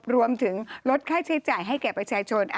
รวมถึงลดค่าใช้จ่ายให้แก่ประชาชน